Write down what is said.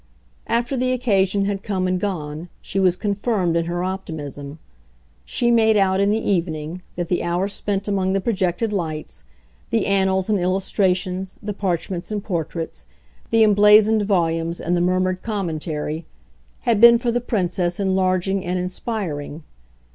After the occasion had come and gone she was confirmed in her optimism; she made out, in the evening, that the hour spent among the projected lights, the annals and illustrations, the parchments and portraits, the emblazoned volumes and the murmured commentary, had been for the Princess enlarging and inspiring.